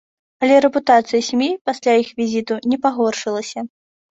Але рэпутацыя сям'і пасля іх візіту не пагоршылася.